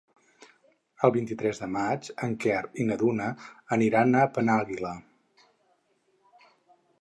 El vint-i-tres de maig en Quer i na Duna aniran a Penàguila.